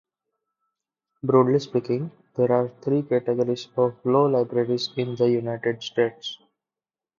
Broadly speaking, there are three categories of law libraries in the United States.